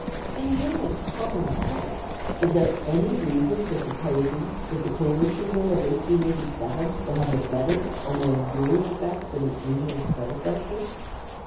In the name of common sense, is there any reason for supposing that the Coercion Bill of 1887 will have a better or more enduring effect than its numerous predecessors?